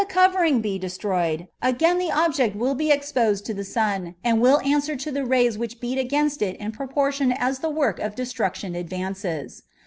covoring be destroyed, again the object will be ex posed to the smi, and will answer to the rays which beat against it in proportion as the work of destruc tion advances.